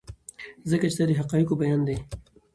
ځکه چې دا د حقایقو بیان دی.